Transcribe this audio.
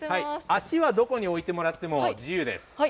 足はどこに置いてもらっても自由です。